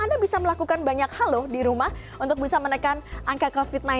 anda bisa melakukan banyak hal loh di rumah untuk bisa menekan angka covid sembilan belas